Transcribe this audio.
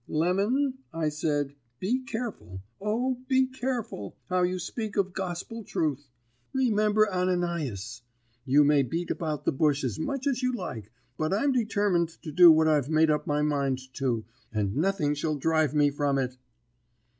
"'Lemon,' I said, 'be careful, O, be careful, how you speak of gospel truth! Remember Ananias! You may beat about the bush as much as you like, but I'm determined to do what I've made up my mind to, and nothing shall drive me from it.'